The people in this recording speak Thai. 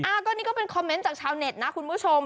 อันนี้ก็เป็นคอมเมนต์จากชาวเน็ตนะคุณผู้ชม